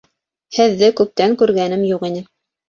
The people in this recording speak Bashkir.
Һеҙҙе күптән күргәнем юҡ ине.